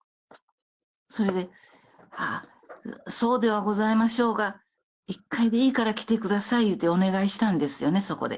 それで、そうではございましょうが、一回でいいから来てくださいいうて、お願いしたんですよね、そこで。